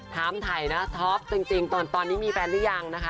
ถามถ่ายนะท็อปจริงตอนนี้มีแฟนหรือยังนะคะ